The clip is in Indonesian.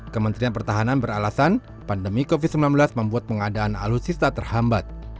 kementerian pertahanan beralasan pandemi covid sembilan belas membuat pengadaan alutsista terhambat